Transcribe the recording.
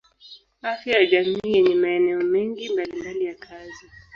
Afya ya jamii yenye maeneo mengi mbalimbali ya kazi.